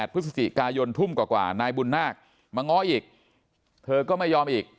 พฤศจิกายนทุ่มกว่านายบุญนาคมาง้ออีกเธอก็ไม่ยอมอีก